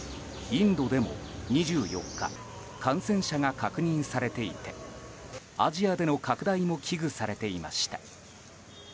インドでも２４日感染者が確認されていてアジアでの拡大も危惧されていました。